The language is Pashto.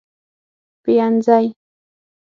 پینځنۍ